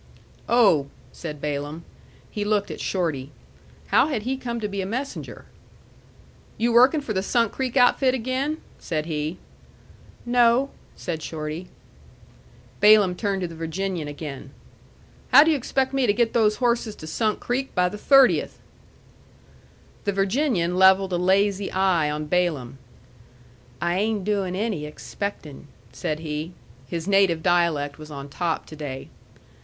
"Oh," said Balaam. He looked at Shorty. How had he come to be a messenger? "You working for the Sunk Creek outfit again?" said he. "No," said Shorty. Balaam turned to the Virginian again. "How do you expect me to get those horses to Sunk Creek by the 30th?" The Virginian levelled a lazy eye on Balaam. "I ain' doin' any expecting," said he. His native dialect was on top to day.